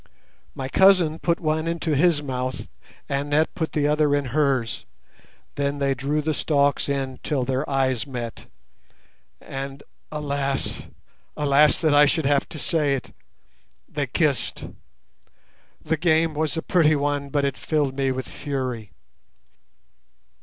My cousin put one into his mouth, Annette put the other in hers. Then they drew the stalks in till their eyes met—and alas, alas that I should have to say it!—they kissed. The game was a pretty one, but it filled me with fury.